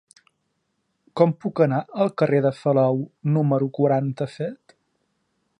Com puc anar al carrer de Salou número quaranta-set?